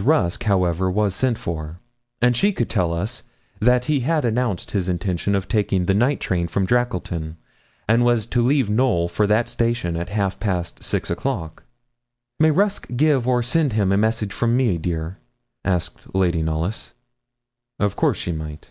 Rusk, however, was sent for, and she could tell us that he had announced his intention of taking the night train from Drackleton, and was to leave Knowl for that station at half past six o'clock. 'May Rusk give or send him a message from me, dear?' asked Lady Knollys. Of course she might.